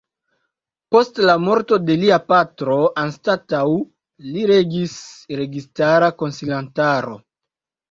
Post la morto de lia patro anstataŭ li regis registara konsilantaro.